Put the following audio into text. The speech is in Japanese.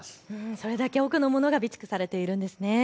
それだけ多くのものが備蓄されているんですね。